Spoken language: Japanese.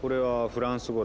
フランス語？